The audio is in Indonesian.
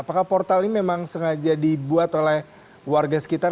apakah portal ini memang sengaja dibuat oleh warga sekitar